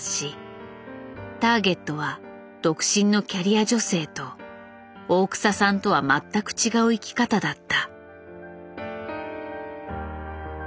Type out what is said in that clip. ターゲットは独身のキャリア女性と大草さんとは全く違う生き方だった。